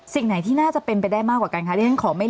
สิ่งไหนที่น่าจะเป็นไปได้มากกว่ากันคะ